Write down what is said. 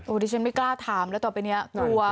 ดิฉันไม่กล้าถามแล้วต่อไปนี้กลัว